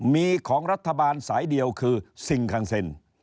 มีของรัฐบาลสายเดียวคือซิงคังเซ็น